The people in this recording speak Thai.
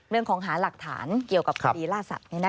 เรื่องของหาหลักฐานเกี่ยวกับคดีล่าสัตว์